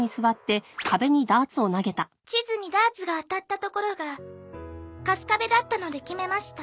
地図にダーツが当たった所が春我部だったので決めました。